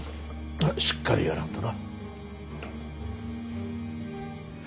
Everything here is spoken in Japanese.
まっしっかりやらんとな。